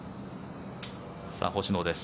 星野です。